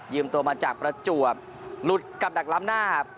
ตัวมาจากประจวบหลุดกับดักล้ำหน้าครับ